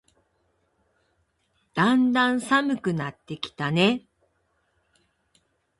だんだん寒くなってきたね。